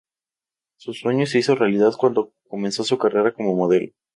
Su sueño se hizo realidad cuando comenzó su carrera como modelo.